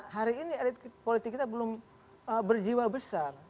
hari ini elit politik kita belum berjiwa besar